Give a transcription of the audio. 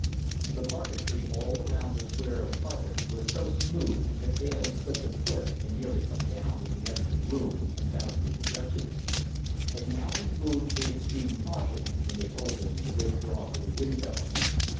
IV The parquetry all around the square of carpet was so smooth that Dale had slipped a foot and nearly come down when he entered the room and bowed to his judges; and now he moved with extreme caution when they told him to withdraw to the window.